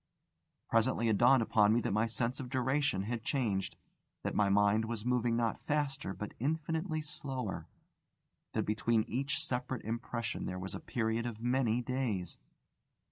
Presently it dawned upon me that my sense of duration had changed; that my mind was moving not faster but infinitely slower, that between each separate impression there was a period of many days.